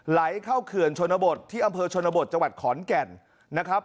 ไหลเข้าเขื่อนชนบทที่อำเภอชนบทจังหวัดขอนแก่นนะครับ